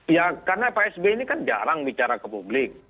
ya karena pak sby ini kan jarang bicara ke publik